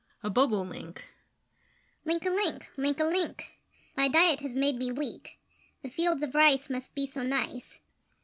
[A Bobolink]: Link a link! Link a link! My diet has made me weak; The fields of rice must be so nice.